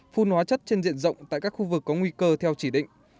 phun hóa chất trên diện rộng tại các khu vực có nguy cơ theo chỉ định